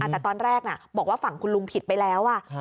แต่ตอนแรกบอกว่าฝั่งคุณลุงผิดไปแล้ว